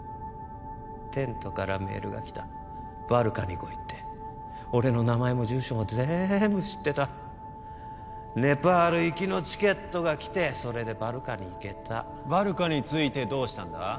テントからメールが来たバルカに来いって俺の名前も住所もぜんぶ知ってたネパール行きのチケットが来てそれでバルカに行けたバルカに着いてどうしたんだ？